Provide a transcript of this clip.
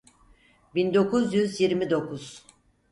Bin dokuz yüz yirmi dokuz.